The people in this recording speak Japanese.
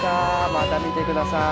また見てください！